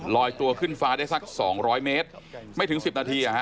ลอยตัวขึ้นฟ้าได้สักสองร้อยเมตรไม่ถึงสิบนาทีอ่ะฮะ